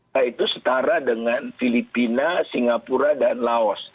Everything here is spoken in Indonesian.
nah itu setara dengan filipina singapura dan laos